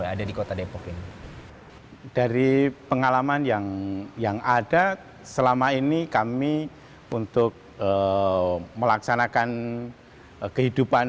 ada di kota depok ini dari pengalaman yang yang ada selama ini kami untuk melaksanakan kehidupan